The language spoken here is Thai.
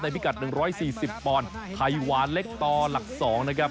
พิกัด๑๔๐ปอนด์ไข่หวานเล็กต่อหลัก๒นะครับ